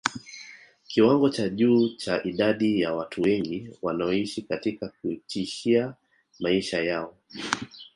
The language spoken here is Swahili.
Kiwango cha juu cha idadi ya watu wengi wanaoishi katika kutishia maisha yao